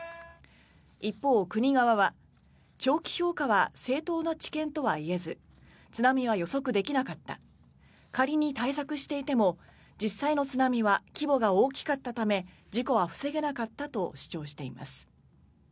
一方、国側は長期評価は正当な知見とは言えず津波は予測できなかった仮に対策していても実際の津波は規模が大きかったため事故は防げなかったと主張しています。